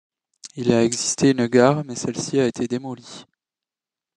Il a existé une gare, mais celle-ci a été démolie.